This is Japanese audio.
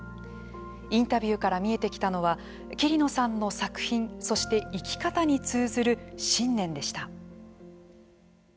インタビューから見えてきたのは桐野さんの作品そして生き方に通ずる信念でした。